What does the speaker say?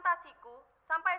hanya dengan sejauh saat ini